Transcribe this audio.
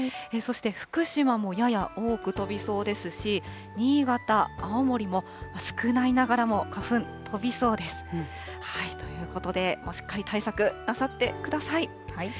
そして福島もやや多く飛びそうですし、新潟、青森も少ないながらも花粉、飛びそうです。ということで、しっかり対策をなさってください。